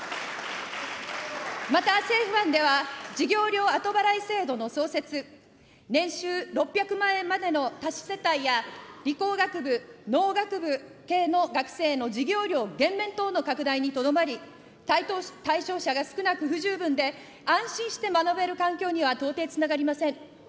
また政府案では、授業料後払い制度の創設、年収６００万円までの多子世帯や理工学部、農学部系の学生への授業料減免等の拡大にとどまり、対象者が少なく不十分で、安心して学べる環境には到底つながりません。